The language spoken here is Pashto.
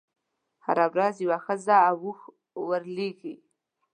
هره ورځ یوه ښځه او اوښ ورلېږي.